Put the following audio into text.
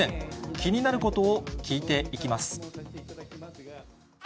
気になることを聞いていきます。